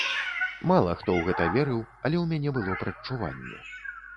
Мала хто ў гэта верыў, але ў мяне было прадчуванне.